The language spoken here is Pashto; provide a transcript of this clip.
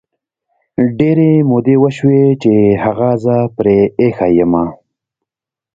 ډیري مودې وشوی چې هغه زه پری ایښي یمه